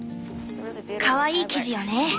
かわいい生地よね。